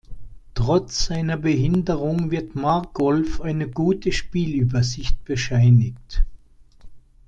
Trotz seiner Behinderung wird Markolf eine gute Spielübersicht bescheinigt.